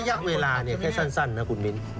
ระยะเวลาแค่สั้นนะคุณมิ้น